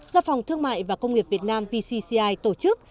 do phòng thương mại và công nghiệp việt nam vcci tổ chức